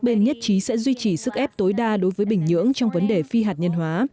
bên nhất trí sẽ duy trì sức ép tối đa đối với bình nhưỡng trong vấn đề phi hạt nhân hóa